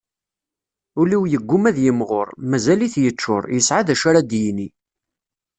Ul-iw yegguma ad yemɣur, mazal-it yeččur, yesɛa d acu ara d-yini.